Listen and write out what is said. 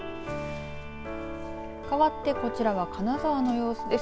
かわってこちらは金沢の様子です。